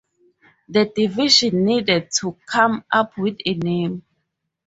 The division needed to come up with a name.